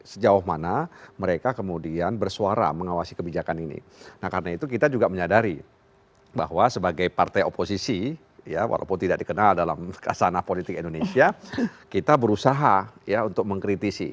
nah karena itu kita juga menyadari bahwa sebagai partai oposisi ya walaupun tidak dikenal dalam kasana politik indonesia kita berusaha ya untuk mengkritisi